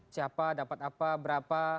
siapa dapat apa berapa